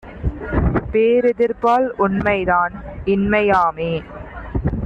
பேரெதிர்ப்பால் உண்மைதான் இன்மை யாமோ?